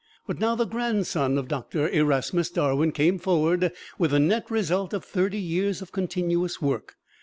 But now the grandson of Doctor Erasmus Darwin came forward with the net result of thirty years' continuous work.